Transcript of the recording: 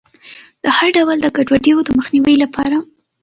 د هر ډول ګډوډیو د مخنیوي لپاره.